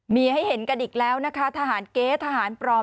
มีให้เห็นกันอีกแล้วนะคะทหารเก๊ทหารปลอม